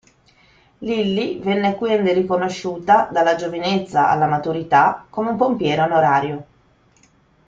Lillie venne quindi riconosciuta, dalla giovinezza alla maturità, come un pompiere onorario.